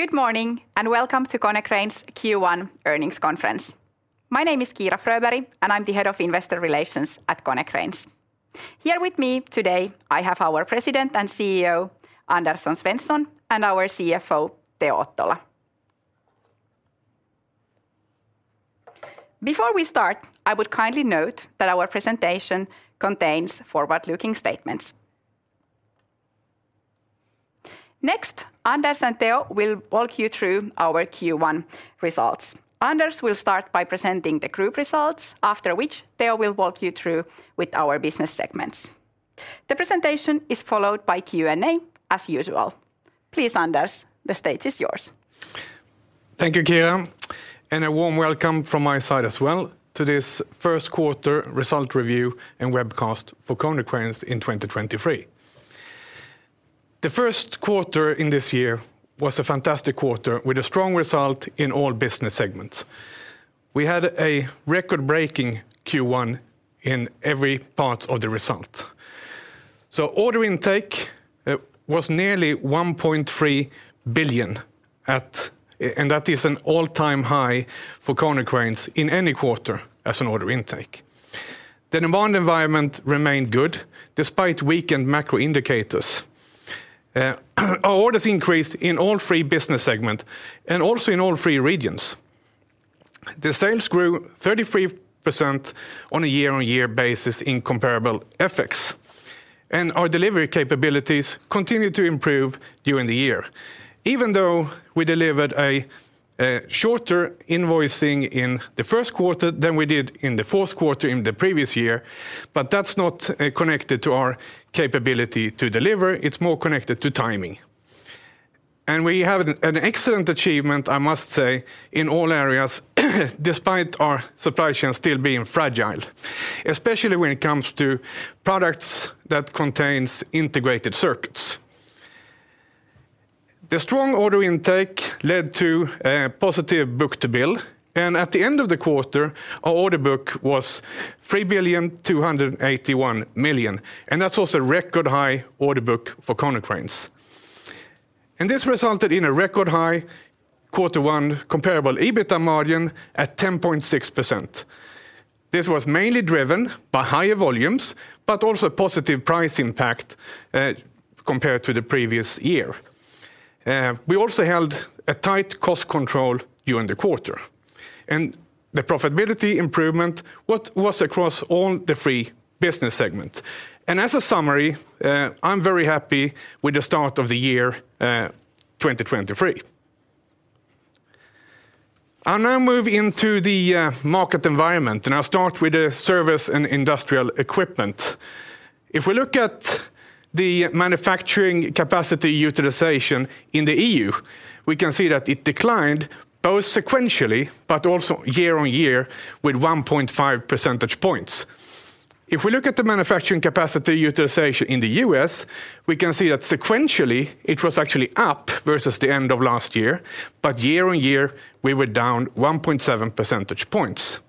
Good morning, and welcome to Konecranes Q1 Earnings Conference. My name is Kiira Fröberg, and I'm the Head of Investor Relations at Konecranes. Here with me today, I have our President and CEO, Anders Svensson, and our CFO, Teo Ottola. Before we start, I would kindly note that our presentation contains forward-looking statements. Next, Anders and Teo will walk you through our Q1 results. Anders will start by presenting the group results, after which Teo will walk you through with our business segments. The presentation is followed by Q&A as usual. Please, Anders, the stage is yours. Thank you, Kiira, and a warm welcome from my side as well to this first quarter result review and webcast for Konecranes in 2023. The first quarter in this year was a fantastic quarter with a strong result in all business segments. We had a record-breaking Q1 in every part of the result. Order intake was nearly 1.3 billion. That is an all-time high for Konecranes in any quarter as an order intake. The demand environment remained good despite weakened macro indicators. Our orders increased in all three business segment and also in all three regions. The sales grew 33% on a year-on-year basis in comparable FX. Our delivery capabilities continued to improve during the year. Even though we delivered a shorter invoicing in the first quarter than we did in the fourth quarter in the previous year, that's not connected to our capability to deliver. It's more connected to timing. We have an excellent achievement, I must say, in all areas, despite our supply chain still being fragile, especially when it comes to products that contains integrated circuits. The strong order intake led to a positive book-to-bill. At the end of the quarter, our order book was 3,281 million. That's also a record high order book for Konecranes. This resulted in a record high quarter one comparable EBITA margin at 10.6%. This was mainly driven by higher volumes, but also positive price impact compared to the previous year. We also held a tight cost control during the quarter. The profitability improvement was across all the three business segments. As a summary, I'm very happy with the start of the year, 2023. I'll now move into the market environment, and I'll start with the service and industrial equipment. If we look at the manufacturing capacity utilization in the EU, we can see that it declined both sequentially, but also year-on-year with one point five percentage points. If we look at the manufacturing capacity utilization in the U.S., we can see that sequentially, it was actually up versus the end of last year, but year-on-year, we were down one point seven percentage points.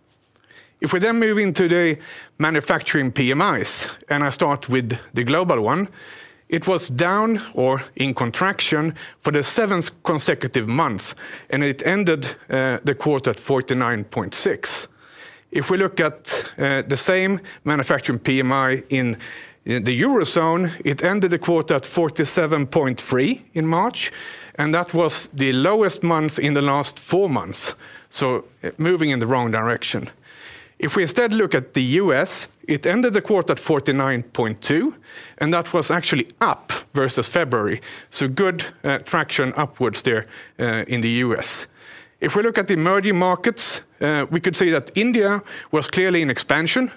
If we then move into the manufacturing PMIs, and I start with the global one, it was down or in contraction for the seventh consecutive month, and it ended the quarter at 49.6. If we look at the same manufacturing PMI in the Eurozone, it ended the quarter at 47.3 in March, and that was the lowest month in the last four months, so moving in the wrong direction. If we instead look at the U.S., it ended the quarter at 49.2, and that was actually up versus February. Good traction upwards there in the U.S. If we look at the emerging markets, we could see that India was clearly in expansion,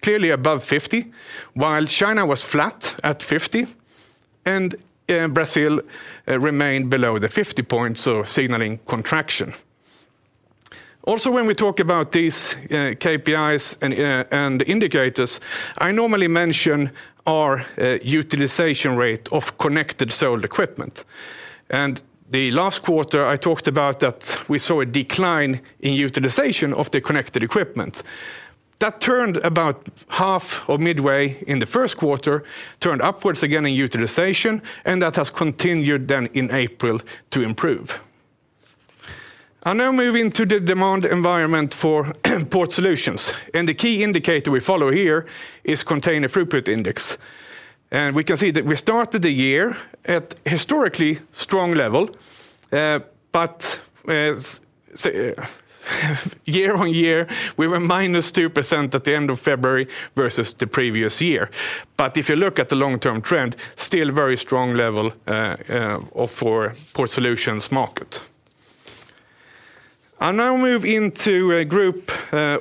clearly above 50, while China was flat at 50, and Brazil remained below the 50 points, so signaling contraction. When we talk about these KPIs and indicators, I normally mention our utilization rate of connected sold equipment. The last quarter, I talked about that we saw a decline in utilization of the connected equipment. That turned about half or midway in the first quarter, turned upwards again in utilization, and that has continued then in April to improve. I'll now move into the demand environment for Port Solutions, and the key indicator we follow here is Container Throughput Index. We can see that we started the year at historically strong level, year-on-year, we were -2% at the end of February versus the previous year. If you look at the long-term trend, still very strong level for Port Solutions market. I now move into a group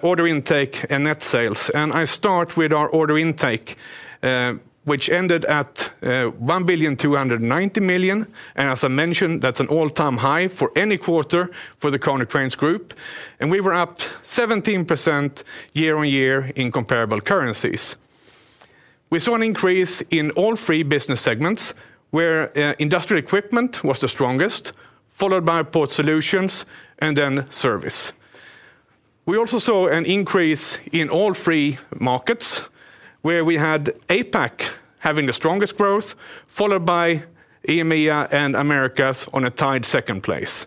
order intake and net sales. I start with our order intake, which ended at 1.29 billion. As I mentioned, that's an all-time high for any quarter for the Konecranes Group. We were up 17% year-on-year in comparable currencies. We saw an increase in all three business segments where Industrial Equipment was the strongest, followed by Port Solutions and then Service. We also saw an increase in all three markets where we had APAC having the strongest growth, followed by EMEA and Americas on a tied second place.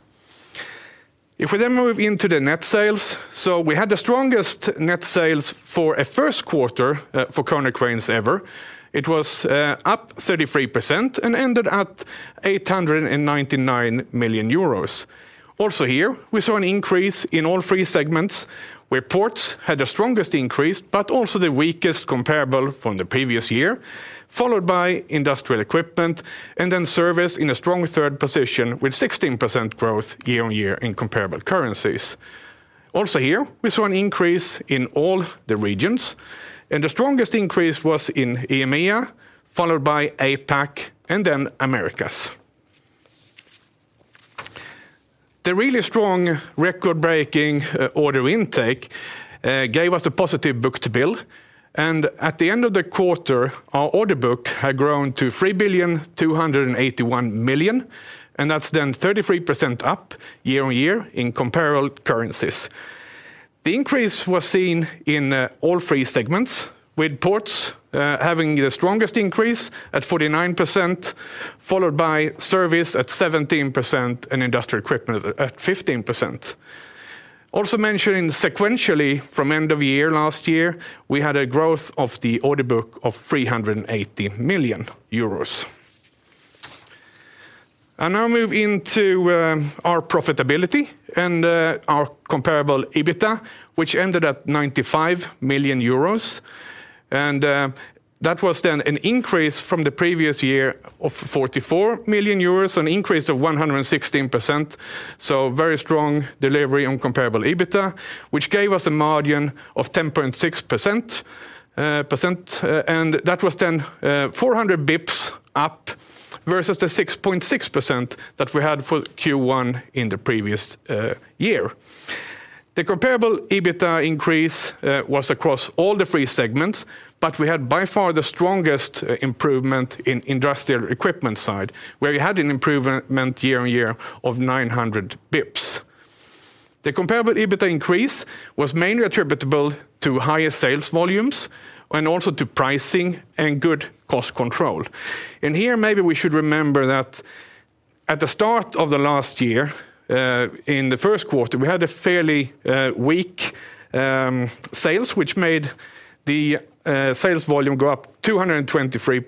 If we then move into the net sales, we had the strongest net sales for a first quarter for Konecranes ever. It was up 33% and ended at 899 million euros. We saw an increase in all three segments where Ports had the strongest increase, but also the weakest comparable from the previous year, followed by Industrial Equipment, and then Service in a strong third position with 16% growth year-on-year in comparable currencies. We saw an increase in all the regions, the strongest increase was in EMEA, followed by APAC and then Americas. The really strong record-breaking order intake gave us a positive book-to-bill, at the end of the quarter, our order book had grown to 3.281 billion, that's then 33% up year-on-year in comparable currencies. The increase was seen in all three segments, with Ports having the strongest increase at 49%, followed by Service at 17% and Industrial Equipment at 15%. Also mentioning sequentially from end of year last year, we had a growth of the order book of 380 million euros. I now move into our profitability and our comparable EBITA, which ended at 95 million euros. That was then an increase from the previous year of 44 million euros, an increase of 116%, so very strong delivery on comparable EBITA, which gave us a margin of 10.6%, and that was then 400 bips up versus the 6.6% that we had for Q1 in the previous year. The comparable EBITA increase was across all the three segments. We had by far the strongest improvement in Industrial Equipment side, where we had an improvement year-on-year of 900 bips. The comparable EBITA increase was mainly attributable to higher sales volumes and also to pricing and good cost control. Here, maybe we should remember that at the start of the last year, in the first quarter, we had a fairly weak sales, which made the sales volume go up 223%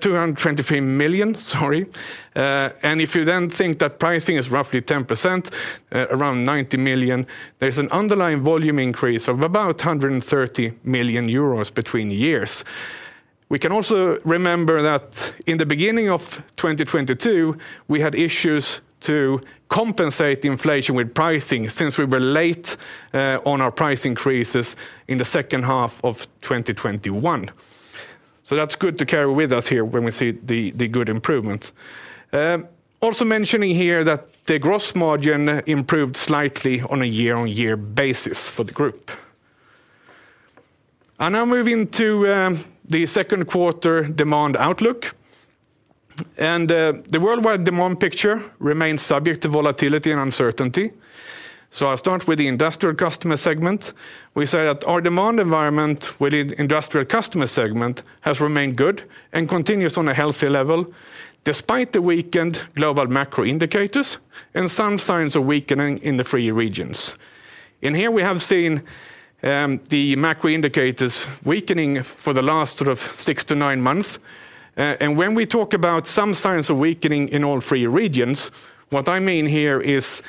223 million, sorry. If you then think that pricing is roughly 10%, around 90 million, there's an underlying volume increase of about 130 million euros between years. We can also remember that in the beginning of 2022, we had issues to compensate inflation with pricing since we were late on our price increases in the second half of 2021. That's good to carry with us here when we see the good improvements. Also mentioning here that the gross margin improved slightly on a year-on-year basis for the group. I now move into the second quarter demand outlook. The worldwide demand picture remains subject to volatility and uncertainty. I'll start with the industrial customer segment. We say that our demand environment within industrial customer segment has remained good and continues on a healthy level despite the weakened global macro indicators and some signs of weakening in the three regions. Here we have seen the macro indicators weakening for the last sort of six to nine months. When we talk about some signs of weakening in all three regions, what I mean here is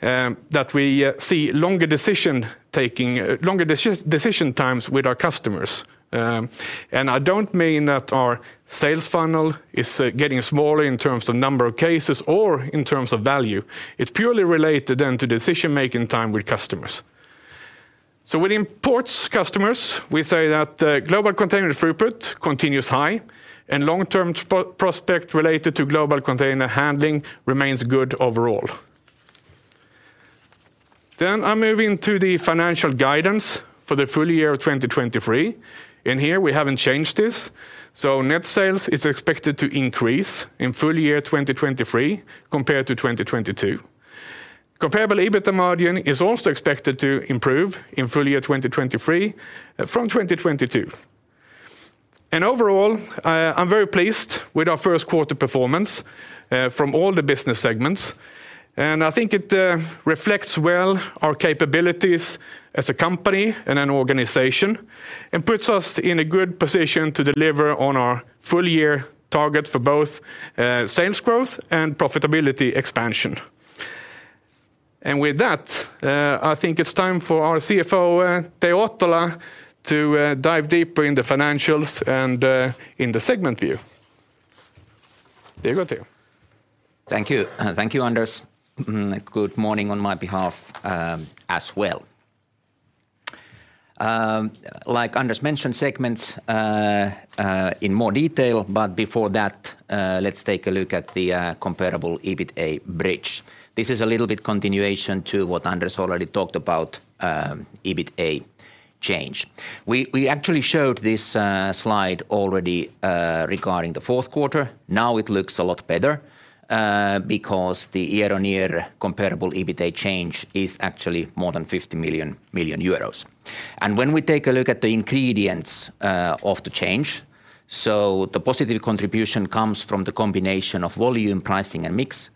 that we see longer decision-taking, longer decision times with our customers. I don't mean that our sales funnel is getting smaller in terms of number of cases or in terms of value. It's purely related to decision-making time with customers. Within ports customers, we say that global container throughput continues high, and long-term prospect related to global container handling remains good overall. I'm moving to the financial guidance for the full year of 2023. Here we haven't changed this. Net sales is expected to increase in full year 2023 compared to 2022. Comparable EBITA margin is also expected to improve in full year 2023 from 2022. Overall, I'm very pleased with our first quarter performance from all the business segments. I think it reflects well our capabilities as a company and an organization and puts us in a good position to deliver on our full year target for both sales growth and profitability expansion. With that, I think it's time for our CFO Teo Ottola to dive deeper in the financials and in the segment view. Teo Ottola. Thank you. Thank you, Anders. Good morning on my behalf as well. Like Anders mentioned, segments in more detail, but before that, let's take a look at the comparable EBITA bridge. This is a little bit continuation to what Anders already talked about, EBITA change. We actually showed this slide already regarding the fourth quarter. Now it looks a lot better because the year-on-year comparable EBITA change is actually more than 50 million euros. When we take a look at the ingredients of the change, the positive contribution comes from the combination of volume, pricing and mix,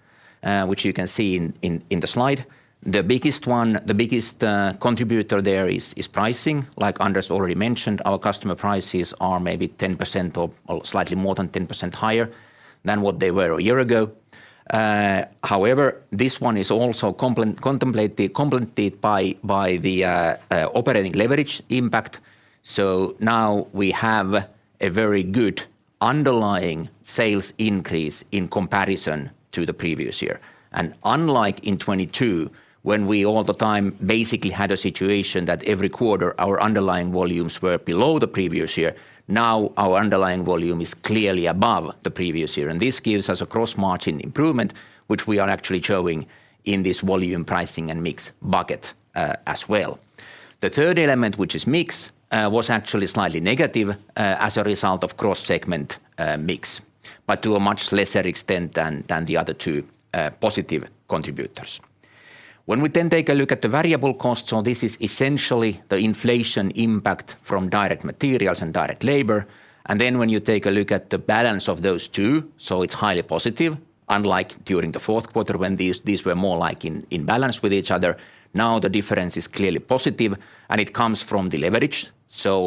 which you can see in the slide. The biggest contributor there is pricing. Like Anders already mentioned, our customer prices are maybe 10% or slightly more than 10% higher than what they were a year ago. However, this one is also complemented by the operating leverage impact. Now we have a very good underlying sales increase in comparison to the previous year. Unlike in 2022, when we all the time basically had a situation that every quarter our underlying volumes were below the previous year, now our underlying volume is clearly above the previous year. This gives us a cross-margin improvement, which we are actually showing in this volume, pricing and mix bucket as well. The third element, which is mix, was actually slightly negative as a result of cross-segment mix, but to a much lesser extent than the other two positive contributors. We then take a look at the variable costs. This is essentially the inflation impact from direct materials and direct labor. When you take a look at the balance of those two, it's highly positive, unlike during the fourth quarter when these were more like in balance with each other. The difference is clearly positive, and it comes from the leverage.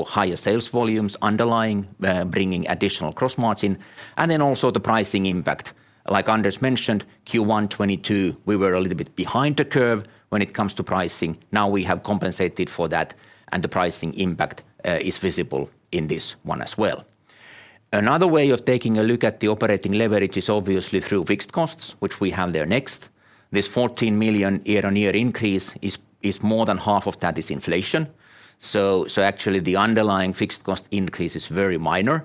Higher sales volumes underlying bringing additional cross-margin. Also the pricing impact. Anders mentioned, Q1 2022, we were a little bit behind the curve when it comes to pricing. We have compensated for that. The pricing impact is visible in this one as well. Another way of taking a look at the operating leverage is obviously through fixed costs, which we have there next. This 14 million year-on-year increase is more than half of that is inflation. Actually the underlying fixed cost increase is very minor.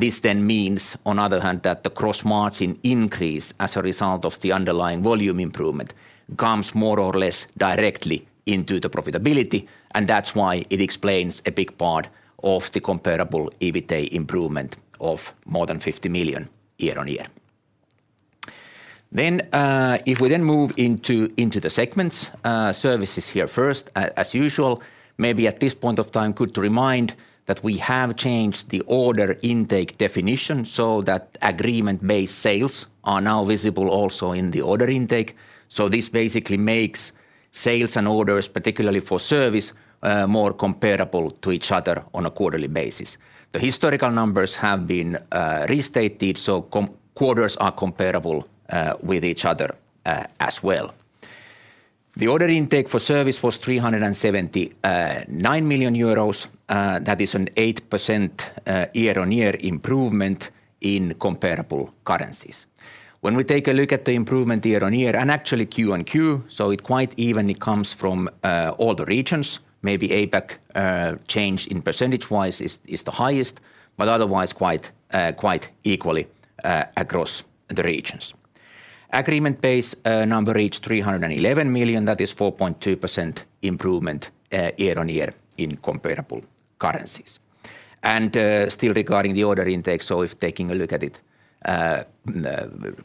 This then means on other hand that the cross-margin increase as a result of the underlying volume improvement comes more or less directly into the profitability. That's why it explains a big part of the comparable EBITA improvement of more than 50 million year-on-year. If we then move into the segments, services here first. As usual, maybe at this point of time, good to remind that we have changed the order intake definition so that agreement-based sales are now visible also in the order intake. This basically makes sales and orders, particularly for service, more comparable to each other on a quarterly basis. The historical numbers have been restated, so quarters are comparable with each other as well. The order intake for service was 379 million euros. That is an 8% year-on-year improvement in comparable currencies. When we take a look at the improvement year-on-year, and actually Q-on-Q, so it quite evenly comes from all the regions. Maybe APAC change in percentage-wise is the highest, but otherwise quite equally across the regions. Agreement-based number reached 311 million. That is 4.2% improvement year-on-year in comparable currencies. Still regarding the order intake, so if taking a look at it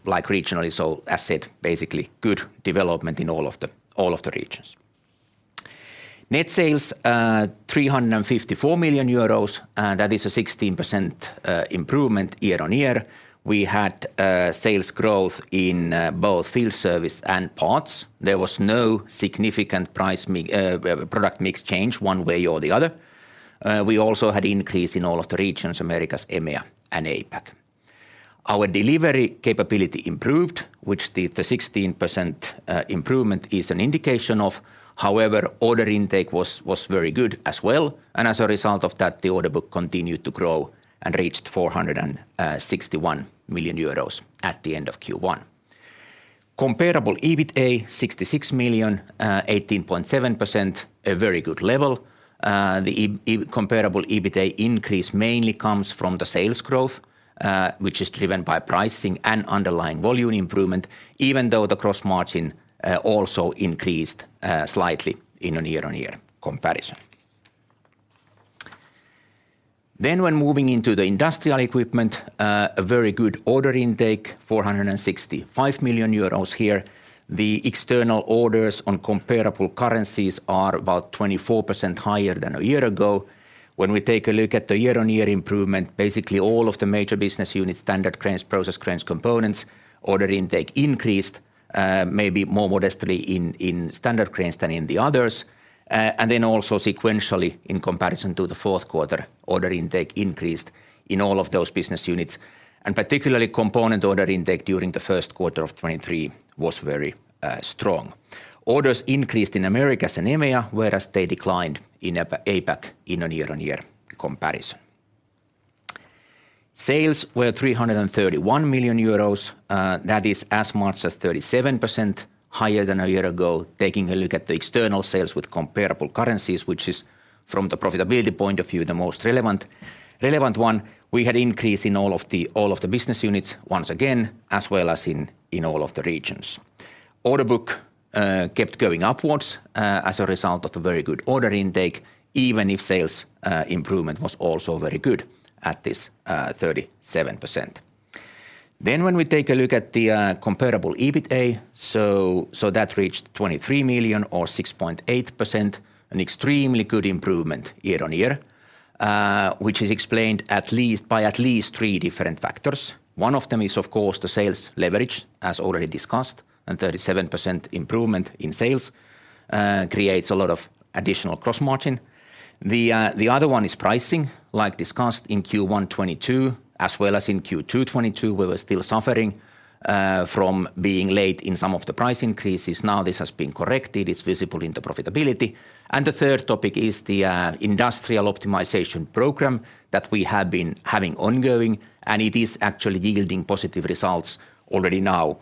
like regionally, so as said, basically good development in all of the regions. Net sales, 354 million euros, that is a 16% improvement year-on-year. We had sales growth in both field service and parts. There was no significant price product mix change one way or the other. We also had increase in all of the regions, Americas, EMEA and APAC. Our delivery capability improved, which the 16% improvement is an indication of. Order intake was very good as well, and as a result of that, the order book continued to grow and reached 461 million euros at the end of Q1. Comparable EBITA, 66 million, 18.7%, a very good level. The comparable EBITA increase mainly comes from the sales growth, which is driven by pricing and underlying volume improvement, even though the cross-margin also increased slightly in a year-on-year comparison. When moving into the Industrial Equipment, a very good order intake, 465 million euros here. The external orders on comparable currencies are about 24% higher than a year ago. When we take a look at the year-on-year improvement, basically all of the major business units, Standard Cranes, Process Cranes, Components, order intake increased maybe more modestly in Standard Cranes than in the others. Also sequentially in comparison to the fourth quarter, order intake increased in all of those business units. Particularly Component order intake during the first quarter of 2023 was very strong. Orders increased in Americas and EMEA, whereas they declined in APAC in a year-on-year comparison. Sales were 331 million euros. That is as much as 37% higher than a year ago. Taking a look at the external sales with comparable currencies, which is from the profitability point of view, the most relevant one, we had increase in all of the business units once again, as well as in all of the regions. Order book kept going upwards, as a result of the very good order intake, even if sales improvement was also very good at this 37%. When we take a look at the comparable EBITA, so that reached 23 million or 6.8%, an extremely good improvement year-on-year, which is explained at least... by at least three different factors. One of them is, of course, the sales leverage, as already discussed, 37% improvement in sales creates a lot of additional gross margin. The other one is pricing, like discussed in Q1 2022 as well as in Q2 2022. We were still suffering from being late in some of the price increases. Now this has been corrected. It's visible in the profitability. The third topic is the Industrial Optimization Program that we have been having ongoing, and it is actually yielding positive results already now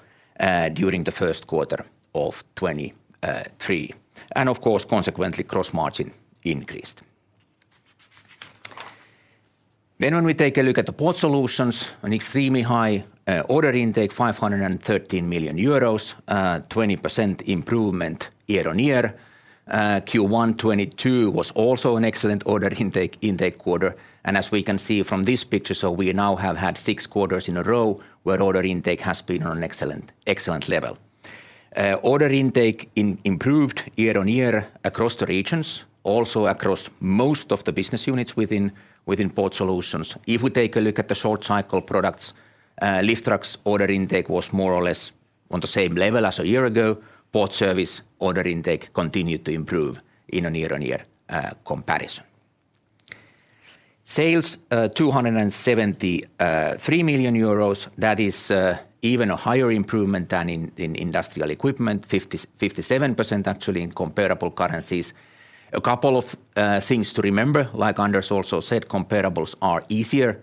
during the first quarter of 2023. Of course, consequently, gross margin increased. When we take a look at the Port Solutions, an extremely high order intake, 513 million euros, 20% improvement year-on-year. Q1 2022 was also an excellent order intake quarter. As we can see from this picture, we now have had six quarters in a row where order intake has been on an excellent level. Order intake improved year-on-year across the regions, also across most of the business units within Port Solutions. If we take a look at the short cycle products, lift trucks' order intake was more or less on the same level as a year ago. Port service order intake continued to improve in a year-on-year comparison. Sales 273 million euros, that is even a higher improvement than in Industrial Equipment, 57% actually in comparable currencies. A couple of things to remember, like Anders also said, comparables are easier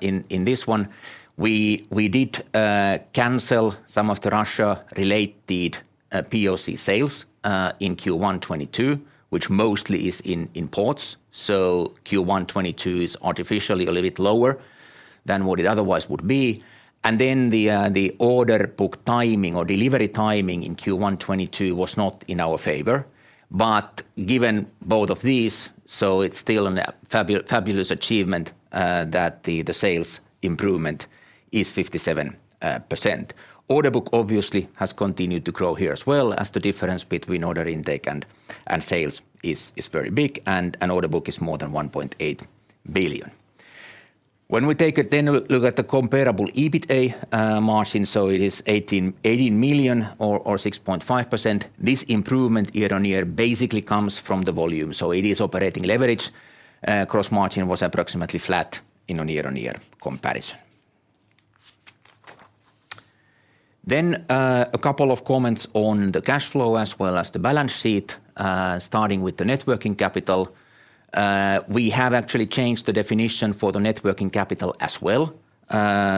in this one. We did cancel some of the Russia-related POC sales in Q1 2022, which mostly is in imports. Q1 2022 is artificially a little bit lower than what it otherwise would be. The order book timing or delivery timing in Q1 2022 was not in our favor. Given both of these, it's still a fabulous achievement that the sales improvement is 57%. Order book obviously has continued to grow here as well as the difference between order intake and sales is very big, and an order book is more than 1.8 billion. When we take a then look at the comparable EBITA margin, it is 18 million or 6.5%. This improvement year-on-year basically comes from the volume, it is operating leverage. pproximately flat in a year-on-year comparison. A couple of comments on the cash flow as well as the balance sheet, starting with the net working capital. We have actually changed the definition for the net working capital as well,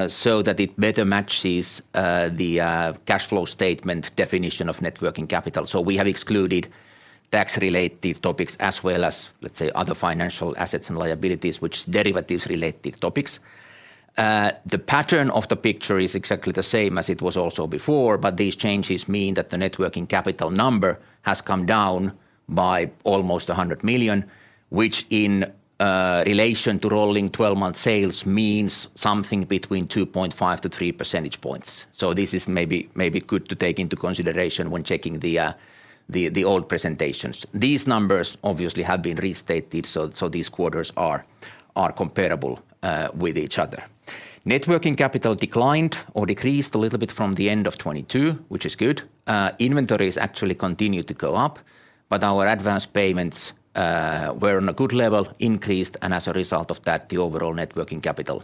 so that it better matches the cash flow statement definition of net working capital. We have excluded tax-related topics as well as, let's say, other financial assets and liabilities, which derivatives related topics. The pattern of the picture is exactly the same as it was also before, but these changes mean that the net working capital number has come down by almost 100 million, which in relation to rolling 12-month sales means something between two point five to three percentage points. This is maybe good to take into consideration when checking the old presentations. These numbers obviously have been restated, so these quarters are comparable with each other. Net working capital declined or decreased a little bit from the end of 2022, which is good. Inventories actually continued to go up, but our advanced payments were on a good level, increased, and as a result of that, the overall net working capital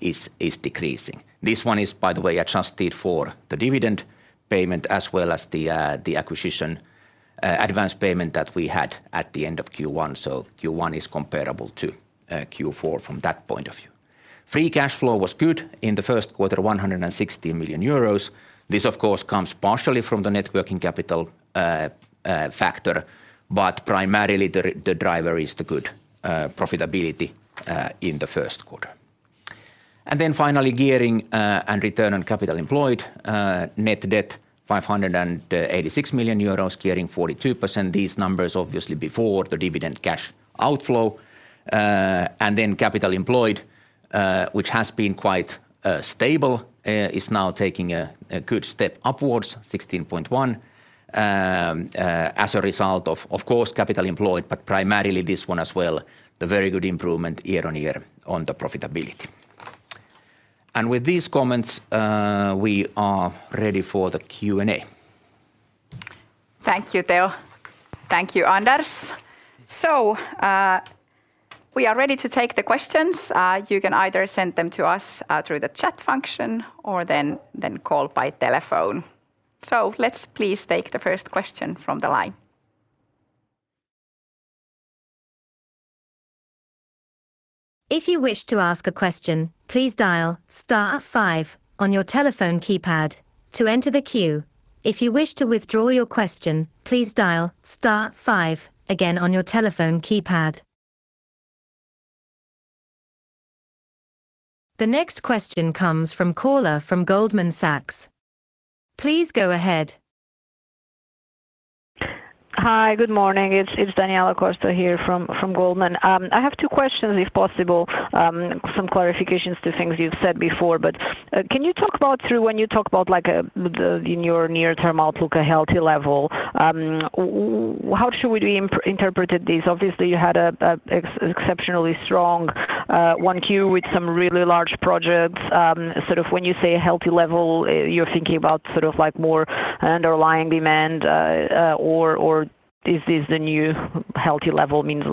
is decreasing. This one is, by the way, adjusted for the dividend payment as well as the acquisition advanced payment that we had at the end of Q1, so Q1 is comparable to Q4 from that point of view. Free cash flow was good in the first quarter, 160 million euros. This of course comes partially from the net working capital factor, but primarily the driver is the good profitability in the first quarter. Finally, gearing and return on capital employed, net debt 586 million euros, gearing 42%. These numbers obviously before the dividend cash outflow. Capital employed, which has been quite stable, is now taking a good step upwards, 16.1%, as a result of course, capital employed, but primarily this one as well, the very good improvement year-on-year on the profitability. With these comments, we are ready for the Q&A. Thank you, Teo. Thank you, Anders. We are ready to take the questions. You can either send them to us through the chat function or then call by telephone. Let's please take the first question from the line. If you wish to ask a question, please dial star five on your telephone keypad to enter the queue. If you wish to withdraw your question, please dial star five again on your telephone keypad. The next question comes from caller from Goldman Sachs. Please go ahead. Hi, good morning. It's Daniela Costa here from Goldman Sachs. I have two questions, if possible, some clarifications to things you've said before. Can you talk about through when you talk about the, in your near-term outlook, a healthy level, how should we interpret this? Obviously, you had a exceptionally strong Q1 with some really large projects. Sort of when you say healthy level, you're thinking about sort of like more underlying demand, or this is the new healthy level means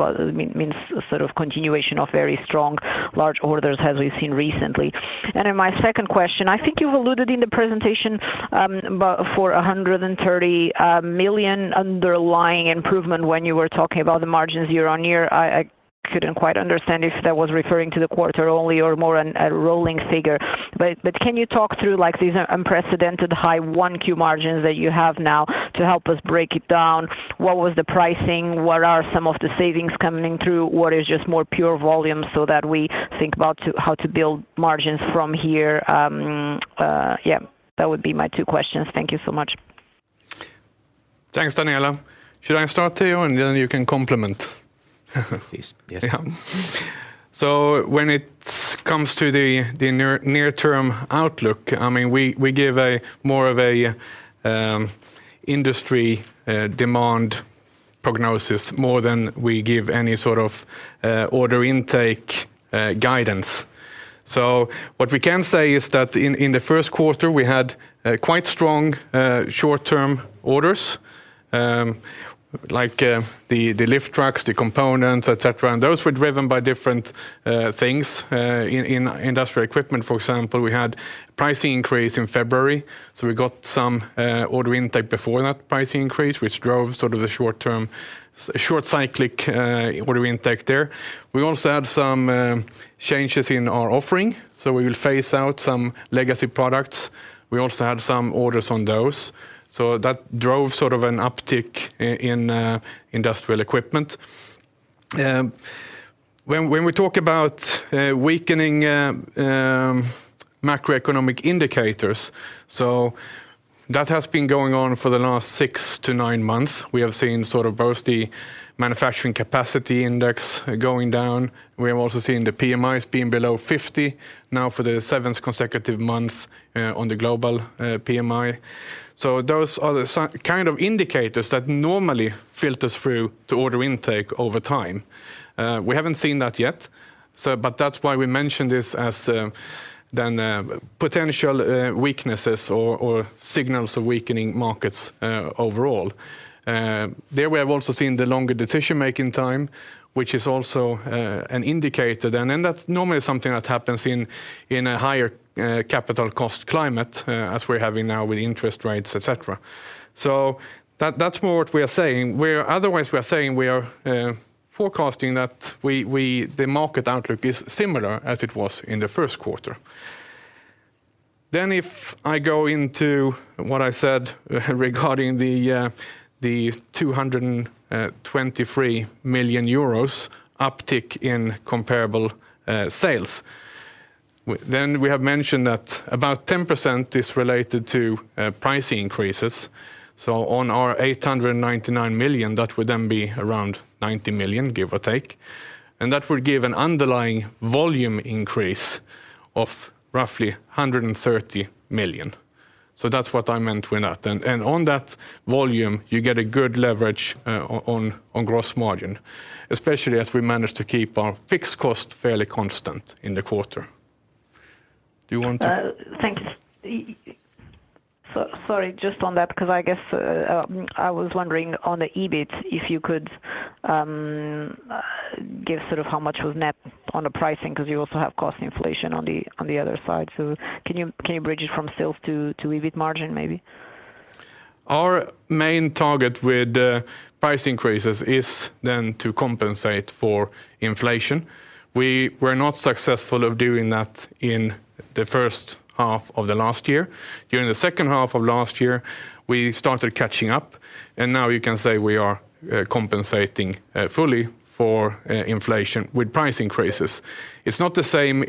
sort of continuation of very strong large orders as we've seen recently. My second question, I think you've alluded in the presentation, about for 130 million underlying improvement when you were talking about the margins year-on-year. I couldn't quite understand if that was referring to the quarter only or more a rolling figure. Can you talk through like these unprecedented high 1Q margins that you have now to help us break it down? What was the pricing? What are some of the savings coming through? What is just more pure volume so that we think about how to build margins from here? Yeah, that would be my two questions. Thank you so much. Thanks, Daniela. Should I start, Teo, and then you can complement? Please. Yeah. When it comes to the near-term outlook, I mean, we give more of an industry demand prognosis more than we give any sort of order intake guidance. What we can say is that in the first quarter, we had quite strong short-term orders, like the lift trucks, the Components, et cetera. Those were driven by different things. In Industrial Equipment, for example, we had price increase in February, so we got some order intake before that price increase, which drove sort of the short-term, short cyclic order intake there. We also had some changes in our offering, so we will phase out some legacy products. We also had some orders on those. That drove sort of an uptick in Industrial Equipment. When we talk about weakening macroeconomic indicators, that has been going on for the last six to nine months. We have seen sort of both the manufacturing capacity index going down. We have also seen the PMIs being below 50 now for the seventh consecutive month on the global PMI. Those are the kind of indicators that normally filters through to order intake over time. We haven't seen that yet, that's why we mentioned this as potential weaknesses or signals of weakening markets overall. There we have also seen the longer decision-making time, which is also an indicator. That's normally something that happens in a higher capital cost climate as we're having now with interest rates, et cetera. That, that's more what we are saying. Otherwise, we are saying we are forecasting that the market outlook is similar as it was in the first quarter. If I go into what I said regarding the 223 million euros uptick in comparable sales, then we have mentioned that about 10% is related to price increases. On our 899 million, that would then be around 90 million, give or take. That would give an underlying volume increase of roughly 130 million. That's what I meant with that. On that volume, you get a good leverage on gross margin, especially as we managed to keep our fixed cost fairly constant in the quarter. Thanks. Sorry, just on that, 'cause I guess, I was wondering on the EBIT, if you could give sort of how much was net on the pricing, 'cause you also have cost inflation on the, on the other side. Can you bridge it from sales to EBIT margin, maybe? Our main target with the price increases is then to compensate for inflation. We were not successful of doing that in the first half of the last year. During the second half of last year, we started catching up, and now you can say we are compensating fully for inflation with price increases. It's not the same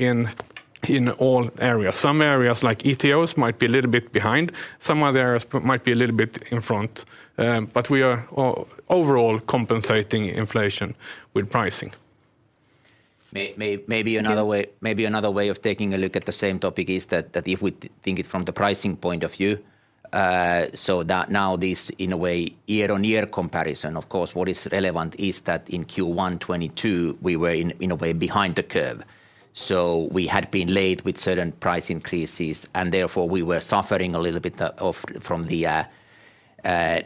in all areas. Some areas like ETOs might be a little bit behind. Some other areas might be a little bit in front. We are overall compensating inflation with pricing. Maybe another way. Yeah. Maybe another way of taking a look at the same topic is that if we think it from the pricing point of view, that now this, in a way, year-on-year comparison, of course, what is relevant is that in Q1 2022 we were in a way, behind the curve. We had been late with certain price increases, and therefore we were suffering a little bit from the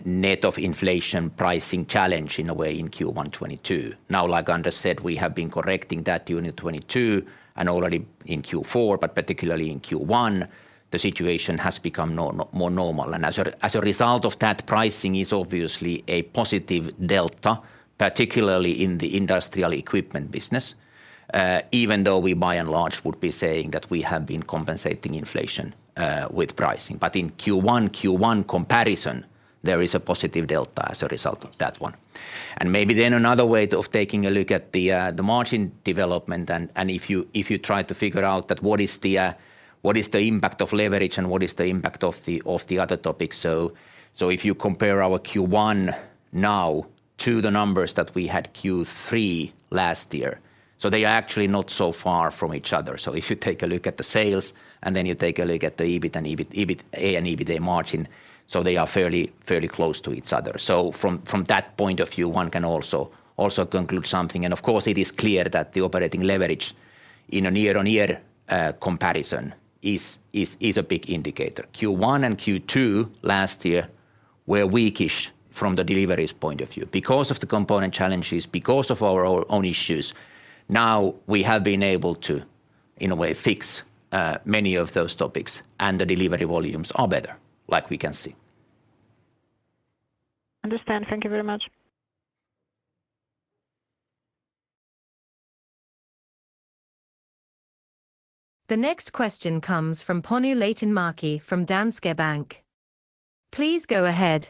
net of inflation pricing challenge in a way in Q1 2022. Like Anders Svensson said, we have been correcting that during 2022 and already in Q4, but particularly in Q1, the situation has become more normal. As a result of that, pricing is obviously a positive delta, particularly in the Industrial Equipment business, even though we by and large would be saying that we have been compensating inflation, with pricing. In Q1 comparison. There is a positive delta as a result of that one. Maybe then another way of taking a look at the margin development and, if you, if you try to figure out that what is the impact of leverage and what is the impact of the other topics. If you compare our Q1 now to the numbers that we had Q3 last year, they are actually not so far from each other. If you take a look at the sales, and then you take a look at the EBIT and EBITA and EBITA margin, so they are fairly close to each other. From that point of view, one can also conclude something. Of course, it is clear that the operating leverage in a year-on-year comparison is a big indicator. Q1 and Q2 last year were weak-ish from the deliveries point of view because of the component challenges, because of our own issues. Now, we have been able to, in a way, fix many of those topics, and the delivery volumes are better, like we can see. Understand. Thank you very much. The next question comes from Panu Laitinmäki from Danske Bank. Please go ahead.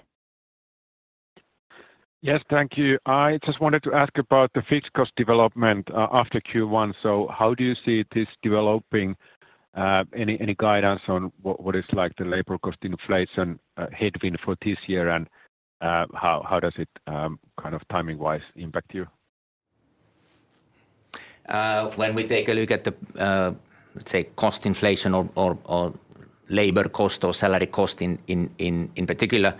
Yes, thank you. I just wanted to ask about the fixed cost development after Q1. How do you see this developing? Any guidance on what is like the labor cost inflation headwind for this year, and how does it kind of timing-wise impact you? When we take a look at the let's say, cost inflation or labor cost or salary cost in particular,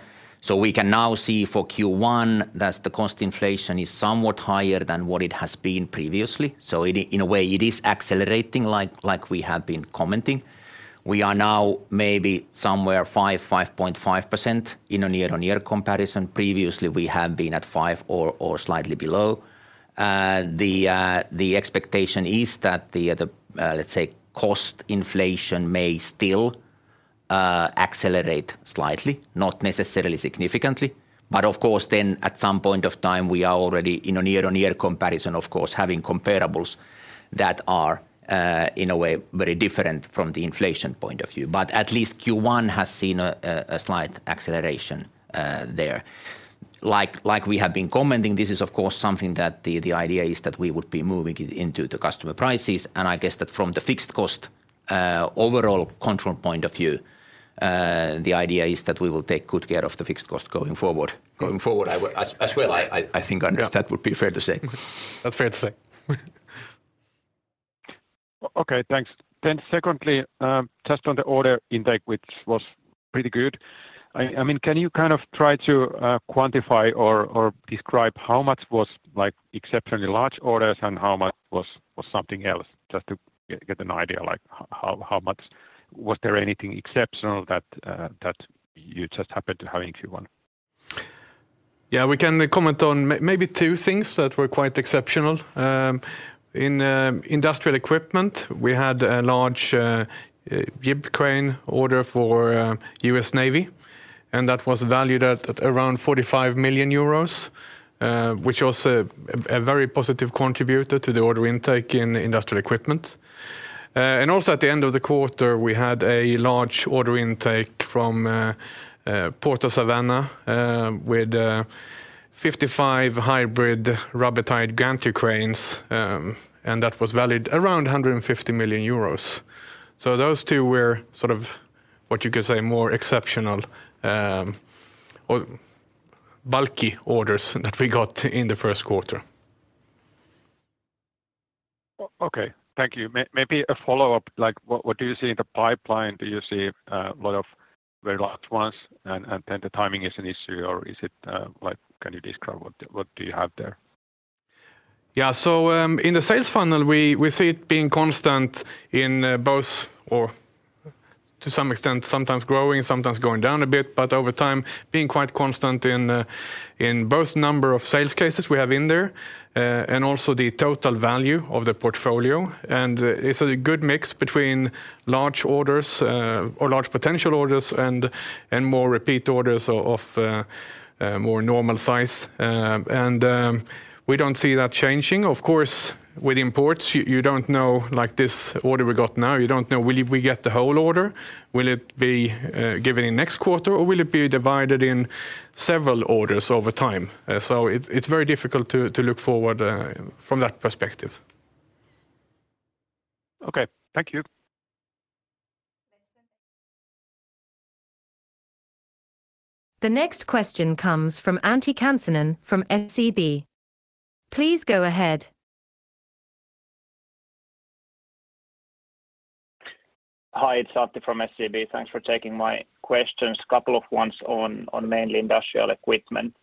we can now see for Q1 that the cost inflation is somewhat higher than what it has been previously. In a way, it is accelerating like we have been commenting. We are now maybe somewhere 5.5% in a year-on-year comparison. Previously, we have been at 5% or slightly below. The expectation is that the let's say, cost inflation may still accelerate slightly, not necessarily significantly. Of course, then at some point of time, we are already in a year-on-year comparison, of course, having comparables that are in a way, very different from the inflation point of view. At least Q1 has seen a slight acceleration there. Like we have been commenting, this is of course something that the idea is that we would be moving it into the customer prices. I guess that from the fixed cost overall control point of view, the idea is that we will take good care of the fixed cost going forward. Going forward as well, I think. Yeah... that would be fair to say. That's fair to say. Okay, thanks. Secondly, just on the order intake, which was pretty good. I mean, can you kind of try to quantify or describe how much was, like, exceptionally large orders and how much was something else? Just to get an idea, like, how much? Was there anything exceptional that you just happened to have in Q1? Yeah, we can comment on maybe two things that were quite exceptional. In industrial equipment, we had a large jib crane order for U.S. Navy. That was valued at around 45 million euros, which was a very positive contributor to the order intake in industrial equipment. Also at the end of the quarter, we had a large order intake from Port of Savannah with 55 hybrid rubber tire gantry cranes. That was valued around 150 million euros. Those two were sort of, what you could say, more exceptional or bulky orders that we got in the first quarter. Okay. Thank you. Maybe a follow-up. Like, what do you see in the pipeline? Do you see a lot of very large ones and then the timing is an issue, or is it like, can you describe what do you have there? In the sales funnel, we see it being constant in both or to some extent, sometimes growing, sometimes going down a bit, but over time, being quite constant in both number of sales cases we have in there and also the total value of the portfolio. It's a good mix between large orders or large potential orders and more repeat orders of more normal size. We don't see that changing. Of course, with imports, you don't know, like this order we got now, you don't know we get the whole order. Will it be given in next quarter, or will it be divided in several orders over time? It's very difficult to look forward from that perspective. Okay. Thank you. The next question comes from Antti Kansanen from SEB. Please go ahead. Hi, it's Antti from SEB. Thanks for taking my questions. A couple of ones on mainly Industrial Equipment.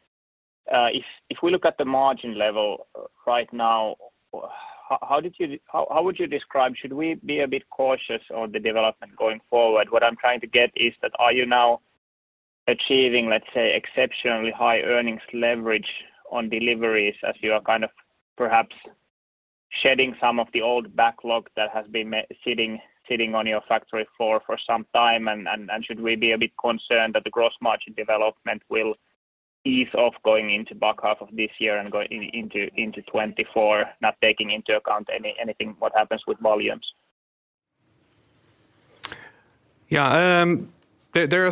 If we look at the margin level right now, how would you describe? Should we be a bit cautious on the development going forward? What I'm trying to get is that are you now achieving, let's say, exceptionally high earnings leverage on deliveries as you are kind of perhaps shedding some of the old backlog that has been sitting on your factory floor for some time? Should we be a bit concerned that the gross margin development will ease off going into back half of this year and going into 2024, not taking into account anything what happens with volumes? Yeah. There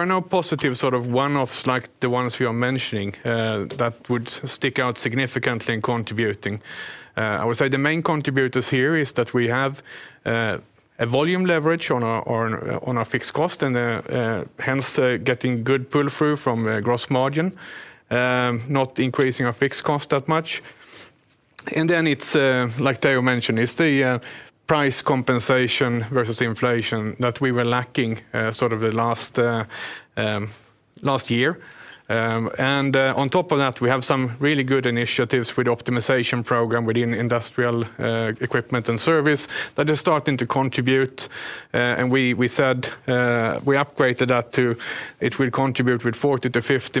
are no positive sort of one-offs like the ones we are mentioning, that would stick out significantly in contributing. I would say the main contributors here is that we have a volume leverage on our fixed cost and hence getting good pull-through from gross margin, not increasing our fixed cost that much. Then it's like Teo mentioned, it's the price compensation versus inflation that we were lacking sort of the last last year. On top of that, we have some really good initiatives with the Industrial Optimization Program within Industrial Equipment and Service that is starting to contribute. We, we said, we upgraded that to it will contribute with 40 million-50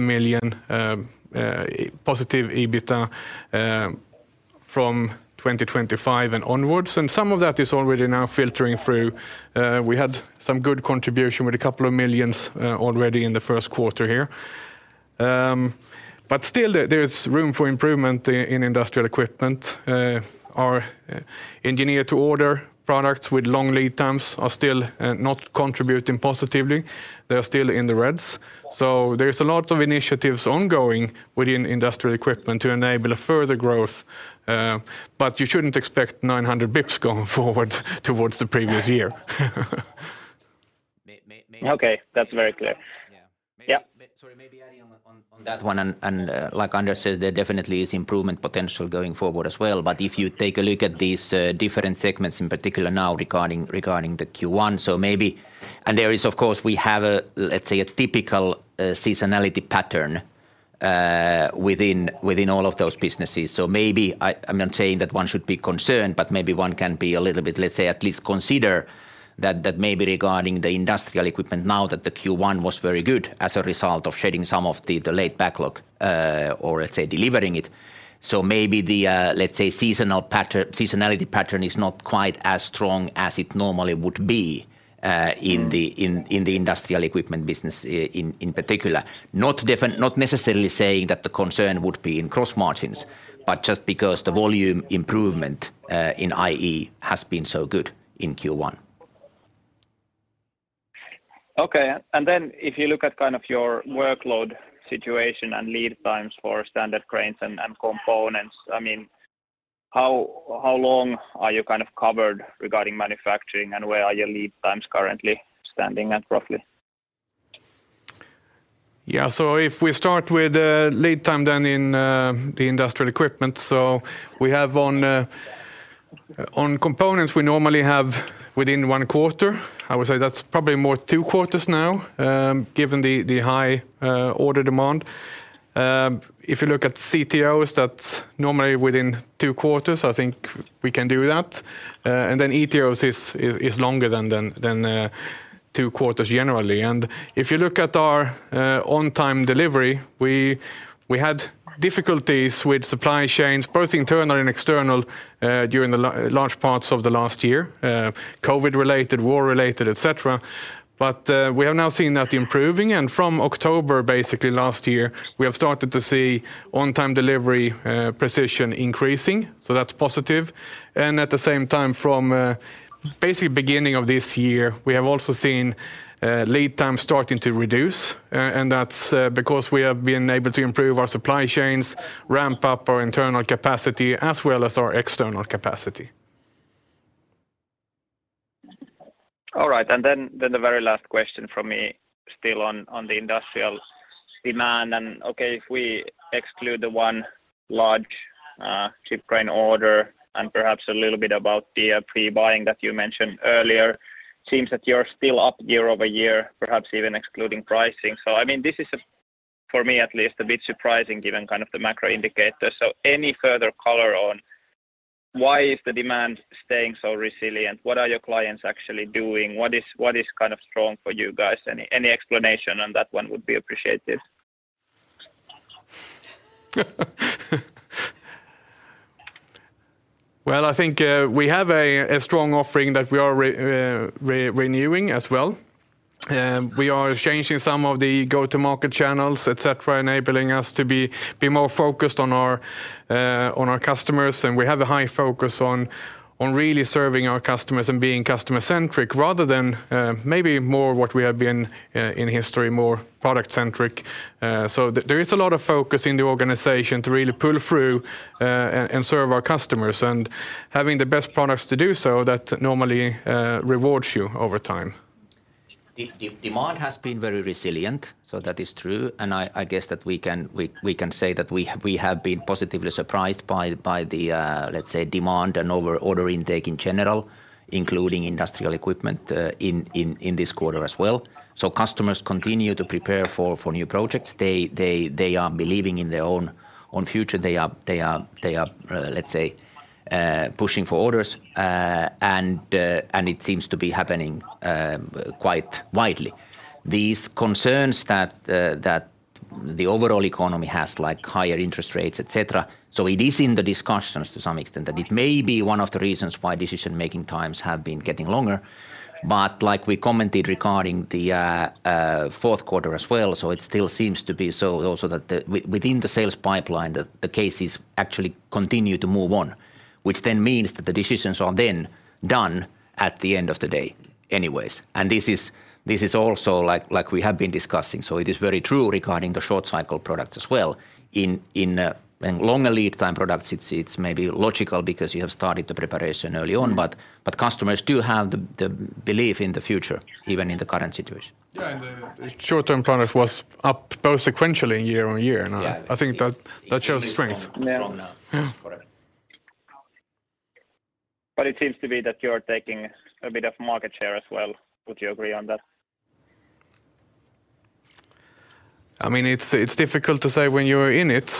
million positive EBITA from 2025 and onwards, and some of that is already now filtering through. We had some good contribution with a couple of millions already in the first quarter here. Still there is room for improvement in Industrial Equipment. Our engineer to order products with long lead times are still not contributing positively. They are still in the reds. There is a lot of initiatives ongoing within Industrial Equipment to enable a further growth, you shouldn't expect 900 bips going forward towards the previous year. Ma-ma-ma- Okay. That's very clear. Yeah. Yeah. Sorry, maybe adding on that one, and like Anders said, there definitely is improvement potential going forward as well. If you take a look at these different segments in particular now regarding the Q1, maybe. There is, of course, we have a, let's say, a typical seasonality pattern within all of those businesses. Maybe I'm not saying that one should be concerned, but maybe one can be a little bit, let's say, at least consider that maybe regarding the Industrial Equipment now that the Q1 was very good as a result of shedding some of the late backlog, or let's say, delivering it. Maybe the let's say, seasonal pattern, seasonality pattern is not quite as strong as it normally would be in the. Mm. In the Industrial Equipment business in particular. Not necessarily saying that the concern would be in gross margins, but just because the volume improvement in IE has been so good in Q1. If you look at kind of your workload situation and lead times for standard cranes and Components, I mean, how long are you kind of covered regarding manufacturing, and where are your lead times currently standing at roughly? Yeah. If we start with lead time then in the Industrial Equipment, we have on Components, we normally have within 1 quarter. I would say that's probably more two quarters now, given the high order demand. If you look at CTOs, that's normally within two quarters. I think we can do that. Then ETOs is longer than two quarters generally. If you look at our on-time delivery, we had difficulties with supply chains, both internal and external, during the large parts of the last year, COVID-related, war-related, et cetera. We have now seen that improving. From October, basically last year, we have started to see on-time delivery precision increasing, that's positive. At the same time from, basically beginning of this year, we have also seen, lead time starting to reduce. That's because we have been able to improve our supply chains, ramp up our internal capacity as well as our external capacity. All right. Then the very last question from me still on the industrial demand. Okay, if we exclude the one large ship crane order and perhaps a little bit about the pre-buying that you mentioned earlier, seems that you're still up year-over-year, perhaps even excluding pricing. I mean, this is, for me at least, a bit surprising given kind of the macro indicators. Any further color on why is the demand staying so resilient? What are your clients actually doing? What is kind of strong for you guys? Any explanation on that one would be appreciated. Well, I think, we have a strong offering that we are renewing as well. We are changing some of the go-to-market channels, et cetera, enabling us to be more focused on our customers. We have a high focus on really serving our customers and being customer-centric rather than maybe more what we have been in history, more product-centric. There is a lot of focus in the organization to really pull through and serve our customers and having the best products to do so that normally rewards you over time. The demand has been very resilient. That is true. I guess that we can say that we have been positively surprised by the, let's say, demand and over order intake in general, including Industrial Equipment in this quarter as well. Customers continue to prepare for new projects. They are believing in their own future. They are, let's say, pushing for orders. It seems to be happening quite widely. These concerns that the overall economy has, like higher interest rates, et cetera. It is in the discussions to some extent that it may be one of the reasons why decision-making times have been getting longer. like we commented regarding the fourth quarter as well, so it still seems to be so also that the within the sales pipeline, the cases actually continue to move on. Which means that the decisions are then done at the end of the day anyways. This is also like we have been discussing, so it is very true regarding the short cycle products as well. In longer lead time products, it's maybe logical because you have started the preparation early on. Customers do have the belief in the future, even in the current situation. Yeah. The short-term product was up both sequentially year on year. I think that shows strength. Yeah. Yeah. It seems to be that you're taking a bit of market share as well. Would you agree on that? I mean, it's difficult to say when you're in it,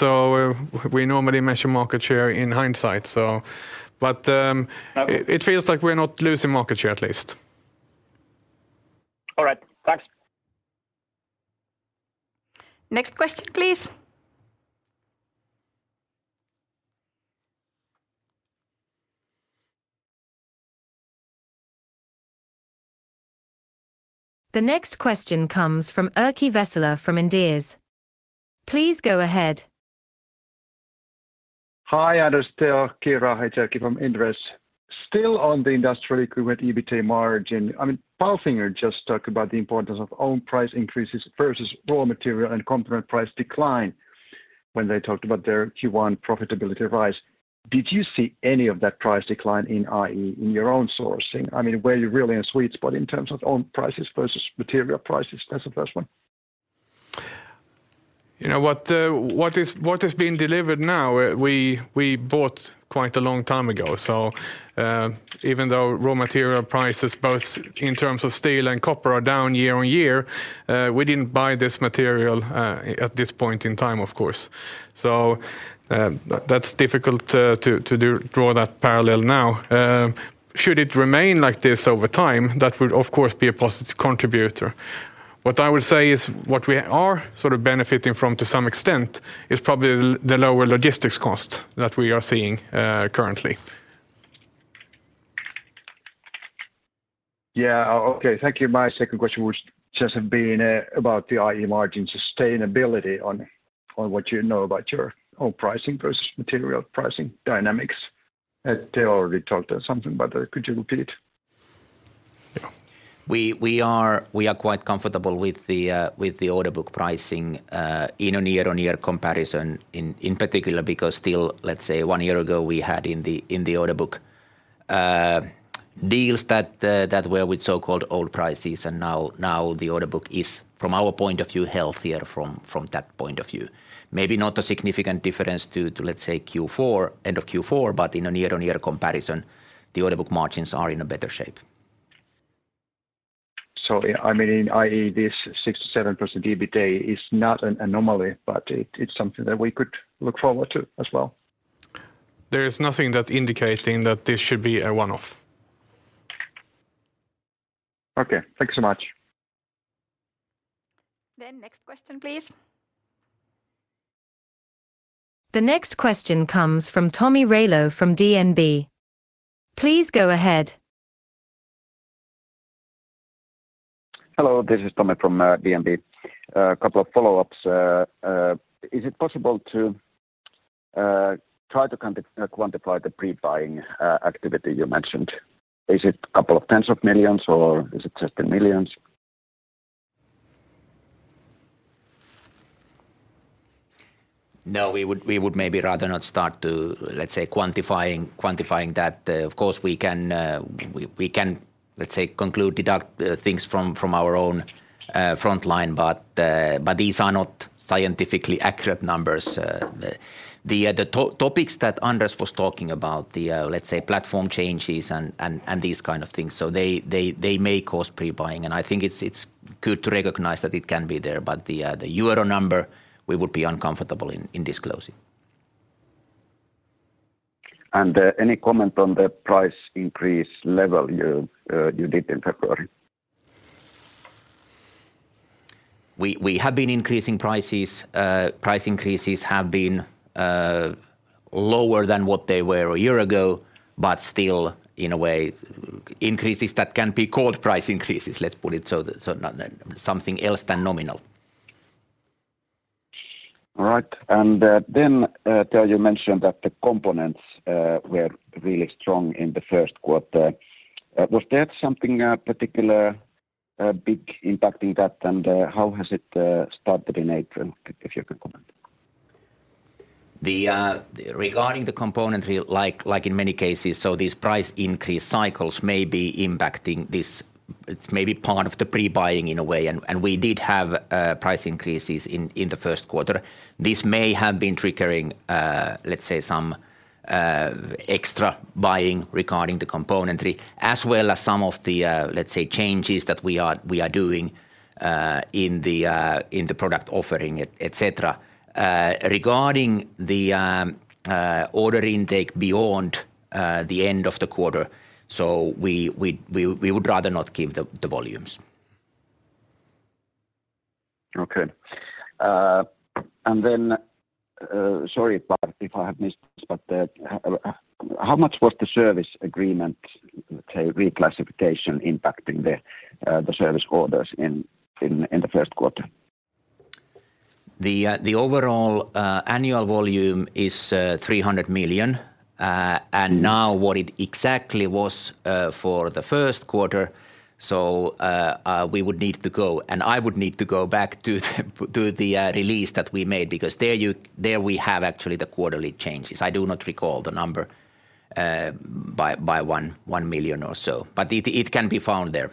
we normally measure market share in hindsight. Okay... it feels like we're not losing market share at least. All right. Thanks. Next question, please. The next question comes from Erkki Vesola from Inderes. Please go ahead. Hi, Anders, Teo, Kiira. It's Erkki from Inderes. Still on the Industrial Equipment EBITA margin, I mean, Palfinger just talked about the importance of own price increases versus raw material and component price decline when they talked about their Q1 profitability rise. Did you see any of that price decline in IE in your own sourcing? I mean, were you really in a sweet spot in terms of own prices versus material prices? That's the first one. You know what is being delivered now, we bought quite a long time ago. Even though raw material prices, both in terms of steel and copper, are down year-on-year, we didn't buy this material at this point in time, of course. That's difficult to draw that parallel now. Should it remain like this over time, that would of course be a positive contributor. What I would say is what we are sort of benefiting from to some extent is probably the lower logistics cost that we are seeing currently. Okay. Thank you. My second question would just have been about the IE margin sustainability on what you know about your own pricing versus material pricing dynamics. Teo already talked something, but could you repeat? We are quite comfortable with the order book pricing in a year-on-year comparison in particular because still, let's say one year ago, we had in the order book deals that were with so-called old prices and now the order book is, from our point of view, healthier from that point of view. Maybe not a significant difference to, let's say Q4, end of Q4, but in a year-on-year comparison, the order book margins are in a better shape. I mean, IE, this 6%-7% EBITA is not an anomaly, but it's something that we could look forward to as well. There is nothing that indicating that this should be a one-off. Okay. Thank you so much. Next question, please. The next question comes from Tomi Railo from DNB. Please go ahead. Hello, this is Tomi from DNB. A couple of follow-ups. Is it possible to try to quantify the pre-buying activity you mentioned? Is it a couple of EUR tens of millions or is it just in millions? No. We would maybe rather not start to, let's say, quantifying that. Of course, we can, let's say conclude, deduct things from our own, frontline, but these are not scientifically accurate numbers. The topics that Anders was talking about, let's say platform changes and these kind of things, so they may cause pre-buying and I think it's good to recognize that it can be there. The euro number, we would be uncomfortable in disclosing. Any comment on the price increase level you did in February? We have been increasing prices. Price increases have been lower than what they were a year ago, but still in a way increases that can be called price increases, let's put it so. Not something else than nominal. All right. Teo, you mentioned that the Components were really strong in the first quarter. Was there something, particular, big impact in that and how has it started in April, if you can comment? Regarding the componentry, like in many cases, these price increase cycles may be impacting this. It is maybe part of the pre-buying in a way, and we did have price increases in the first quarter. This may have been triggering, let's say some extra buying regarding the componentry, as well as some of the, let's say changes that we are doing in the product offering, etcetera. Regarding the order intake beyond the end of the quarter, we would rather not give the volumes. Okay. Sorry if I have missed this, how much was the service agreement, let's say, reclassification impacting the service orders in the first quarter? The overall annual volume is 300 million. Now what it exactly was for the first quarter, we would need to go, and I would need to go back to the release that we made because there we have actually the quarterly changes. I do not recall the number by 1 million or so. It can be found there.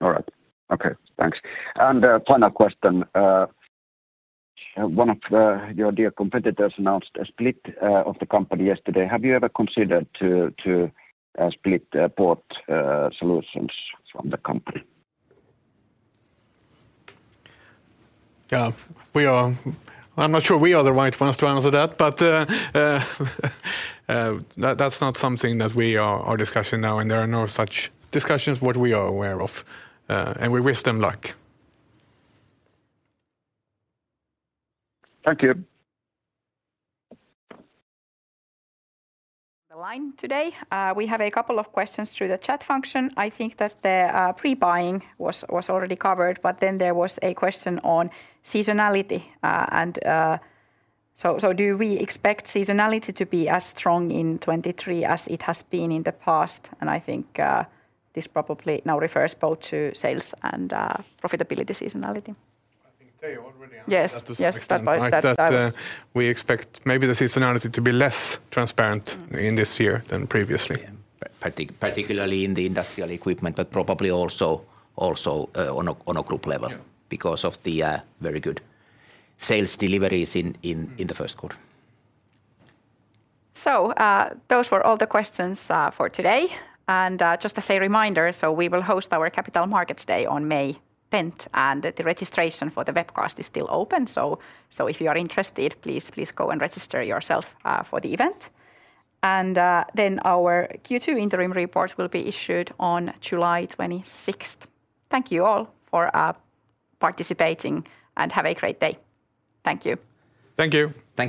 All right. Okay, thanks. A final question. One of your dear competitors announced a split of the company yesterday. Have you ever considered to split Port Solutions from the company? Yeah. We are... I'm not sure we are the right ones to answer that, but that's not something that we are discussing now, and there are no such discussions what we are aware of. We wish them luck. Thank you. The line today. We have a couple of questions through the chat function. I think that the pre-buying was already covered. There was a question on seasonality, and. Do we expect seasonality to be as strong in 2023 as it has been in the past? I think this probably now refers both to sales and profitability seasonality. I think Teo already answered-. Yes, yes... that to some extent, right? That, but that. That, we expect maybe the seasonality to be less transparent in this year than previously. Yeah. particularly in the Industrial Equipment, but probably also, on a group level. Yeah because of the very good sales deliveries in the first quarter. Those were all the questions for today. Just as a reminder, we will host our Capital Markets Day on May 10th, and the registration for the webcast is still open. If you are interested, please go and register yourself for the event. Our Q2 interim report will be issued on July 26th. Thank you all for participating, and have a great day. Thank you. Thank you. Thank you.